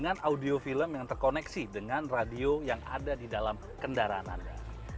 dengan audio film yang terkoneksi dengan radio yang ada di dalam kendaraan anda